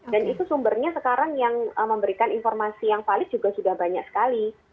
dan itu sumbernya sekarang yang memberikan informasi yang valid juga sudah banyak sekali